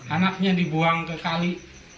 anaknya dibuang kekali